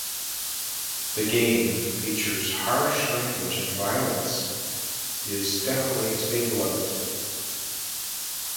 The game features harsh language and violence is definitely a staple of it.